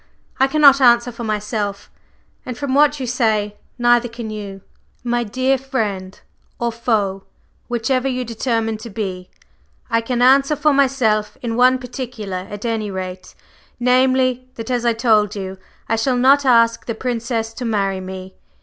"I cannot answer for myself and from what you say, neither can you." "My dear friend or foe whichever you determine to be, I can answer for myself in one particular at any rate, namely, that as I told you, I shall not ask the Princess to marry me.